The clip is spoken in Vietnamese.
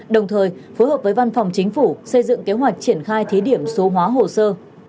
đồng thời phối hợp với văn phòng chính phủ xây dựng kế hoạch triển khai thí điểm số hóa hồ sơ